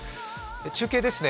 中継ですね。